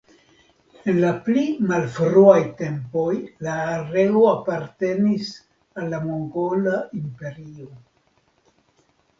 En la pli malfruaj tempoj la areo apartenis al la Mogola Imperio.